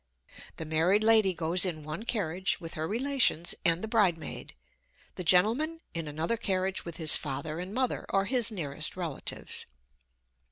The married lady goes in one carriage with her relations and the bridemaid; the gentleman in another carriage with his father and mother, or his nearest relatives.